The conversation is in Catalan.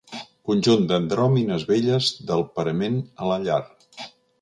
Conjunt d'andròmines velles del parament a la llar.